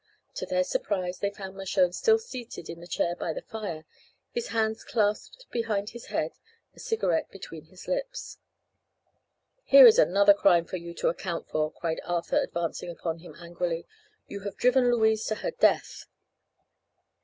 To their surprise they found Mershone still seated in the chair by the fire, his hands clasped behind his head, a cigarette between his lips. "Here is another crime for you to account for!" cried Arthur, advancing upon him angrily. "You have driven Louise to her death!"